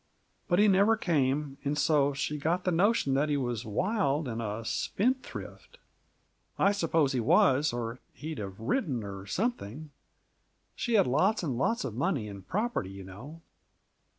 But he never came, and so she got the notion that he was wild and a spendthrift. I suppose he was, or he'd have written, or something. She had lots and lots of money and property, you know.